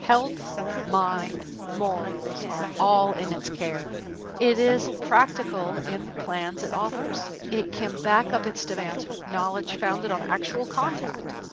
Health, mind, morals, all are in its care. It is practical in the plans it offers. It can back up its demands with knowledge founded on actual contact.